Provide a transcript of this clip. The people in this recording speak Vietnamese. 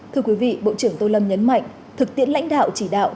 thưa quý vị bộ trưởng tô lâm nhấn mạnh thực tiễn lãnh đạo chỉ đạo